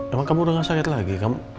emang kamu udah gak sakit lagi